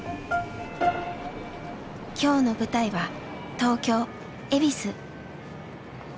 今日の舞台は東京恵比寿。